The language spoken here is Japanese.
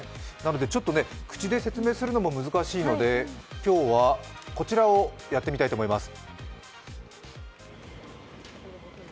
口で説明するのも難しいので、今日はこちらをやってみたいと思います。